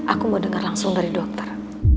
aku mau dengar langsung dari dokter